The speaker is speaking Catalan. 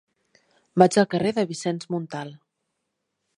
Vaig al carrer de Vicenç Montal.